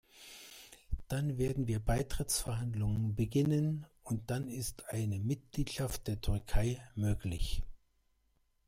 Dann werden wir Beitrittsverhandlungen beginnen, und dann ist eine Mitgliedschaft der Türkei möglich.